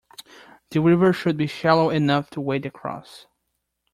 The river should be shallow enough to wade across.